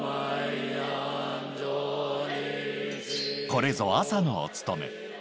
これぞ、朝のお勤め。